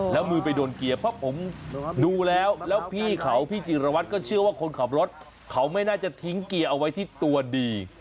แล้วมือไปโดนเกียร์เพราะผมดูแล้วแล้วพี่เขาพี่จิรวัตรก็เชื่อว่าคนขับรถเขาไม่น่าจะทิ้งเกียร์เอาไว้ที่ตัวดี